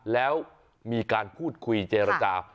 แล้วมีการพูดคุยเจรจา